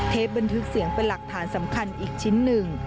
บันทึกเสียงเป็นหลักฐานสำคัญอีกชิ้นหนึ่ง